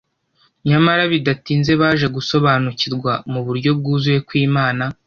Nyamara bidatinze baje gusobanukirwa mu buryo bwuzuye ko Imana